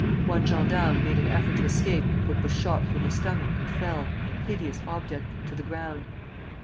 One gendarme made an effort to escape but was shot through the stomach, and fell, a hideous object, to the ground.